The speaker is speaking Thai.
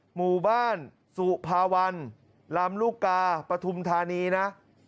หมู่บ้านสุภาวันลำลูกกาปฐุมธานีนะ